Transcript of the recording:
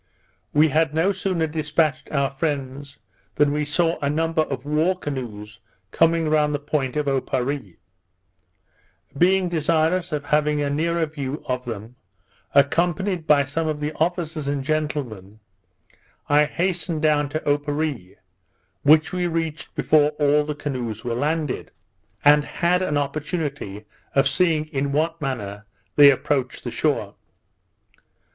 We had no sooner dispatched our friends, than we saw a number of war canoes coming round the point of Oparree. Being desirous of having a nearer view of them, accompanied by some of the officers and gentlemen, I hastened down to Oparree, which we reached before all the canoes were landed, and had an opportunity of seeing in what manner they approached the shore.